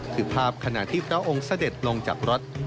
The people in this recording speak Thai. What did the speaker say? คือภาพขณะที่พระองค์เสด็จลงจากรถ